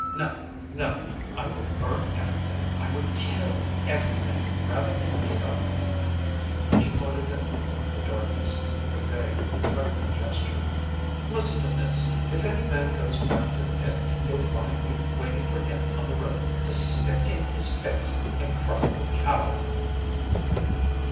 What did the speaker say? No, no, I would burn everything, I would kill everything, rather than give up." She pointed at Maheu in the darkness, with a vague, threatening gesture. "Listen to this! If any man goes back to the pit, he'll find me waiting for him on the road to spit in his face and cry coward!